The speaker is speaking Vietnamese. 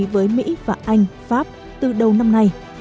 với mỹ và anh pháp từ đầu năm nay